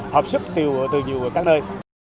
hợp sức từ nhiều các nơi